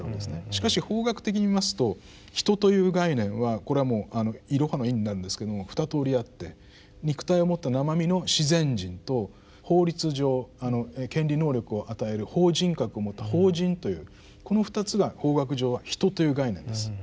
しかし法学的に見ますと「人」という概念はこれはもうイロハのイになるんですけれどもふたとおりあって肉体を持った生身の自然人と法律上権利能力を与える法人格を持った法人というこの２つが法学上は「人」という概念です。